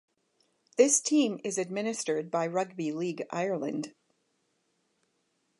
This team is administered by Rugby League Ireland.